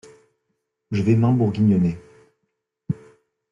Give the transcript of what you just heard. Je vais m’embourguignonner.